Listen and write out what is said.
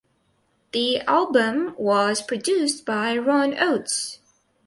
The album was produced by Ron Oates.